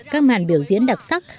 các màn biểu diễn đặc sắc